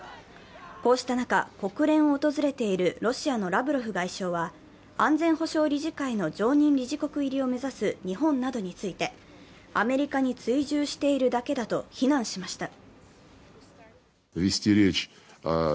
こうした中、国連を訪れているロシアのラブロフ外相は、安全保障理事会の常任理事国入りを目指す日本などについてアメリカに追従しているだけだと非難しました。